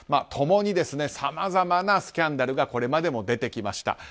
共にさまざまなスキャンダルがこれまでも出てきました。